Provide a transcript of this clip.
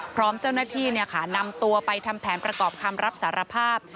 พร้อมเจ้าหน้าที่นำตัวไปทำแผนประกอบคำรับสารภาพ